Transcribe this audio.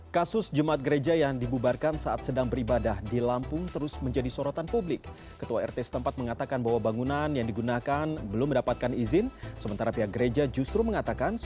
ketua rt setempat